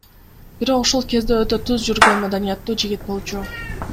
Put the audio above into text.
Бирок ошол кезде өтө түз жүргөн, маданияттуу жигит болчу.